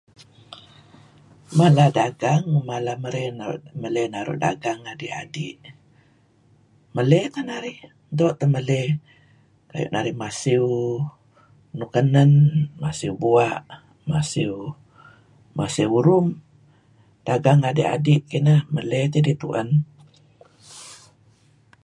Mala dagang, mala meley naru' dagang adi'-adi'. Meley teh narih doo' teh meley kayu' masiew nuk kenen masiew bua' , masiew masiew urum dagang adi'-adi' kineh meley tidih tu'en.